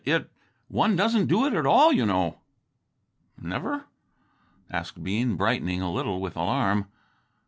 it ... one doesn't do it at all, you know." "Never?" asked Bean, brightening a little with alarm.